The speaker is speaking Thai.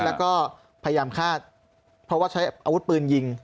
แล้วก็พยายามฆ่าเพราะว่าใช้อาวุธปืนยิง